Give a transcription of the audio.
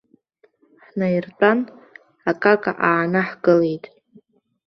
Ҳнаиртәан, акака аанаҳкылеит.